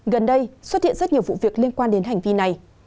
gần đây xuất hiện rất nhiều vụ việc liên quan đến hành vi này